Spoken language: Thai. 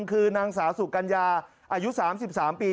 คือนางสาวสุกัญญาอายุ๓๓ปี